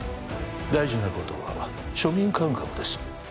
大事なことは庶民感覚です